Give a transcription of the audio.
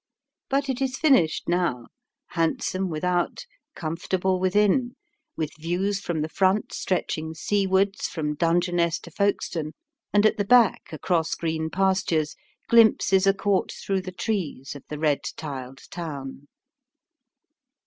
But it is finished now, handsome without, comfortable within, with views from the front stretching seawards from Dungeness to Folkestone, and at the back across green pastures, glimpses are caught through the trees of the red tiled town.